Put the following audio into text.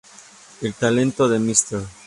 El talento de Mr.